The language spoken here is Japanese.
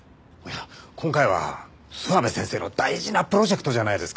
今回は諏訪部先生の大事なプロジェクトじゃないですか。